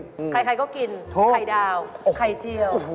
ด้วยใครก็กินไอ้ดาวไอ้เจียว